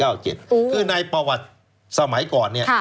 คือในประวัติสมัยก่อนเนี่ย